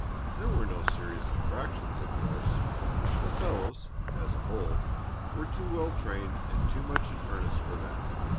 There were no serious infractions, of course; the fellows, as a whole, were too well trained and too much in earnest for that.